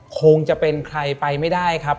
คงจะเป็นใครไปไม่ได้ครับ